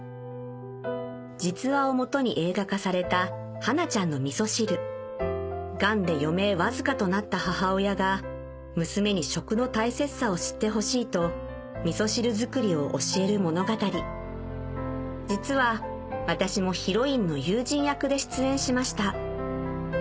実話を基に映画化された『はなちゃんのみそ汁』がんで余命わずかとなった母親が娘に食の大切さを知ってほしいとみそ汁作りを教える物語実は私もヒロインの友人役で出演しました